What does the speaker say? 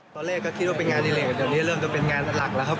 ตอนแรกก็คิดว่าเป็นงานดิเลกเดี๋ยวนี้เริ่มจะเป็นงานหลักแล้วครับ